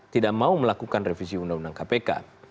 tidak mau melakukan revisi undang undang kpk